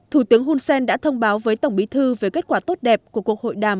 thủ tướng hun sen đã thông báo với tổng bí thư về kết quả tốt đẹp của cuộc hội đàm